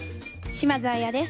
島津亜矢です。